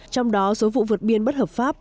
trong đó số vụ vượt biên bất hợp pháp